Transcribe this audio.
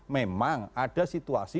memang ada situasi